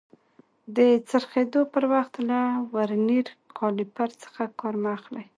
د څرخېدلو پر وخت له ورنیر کالیپر څخه کار مه اخلئ.